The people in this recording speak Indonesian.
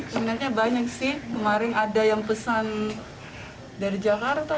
sebenarnya banyak sih kemarin ada yang pesan dari jakarta